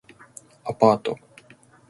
アパート